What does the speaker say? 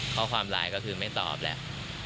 เพราะความร้ายก็คือไม่ตอบแหละ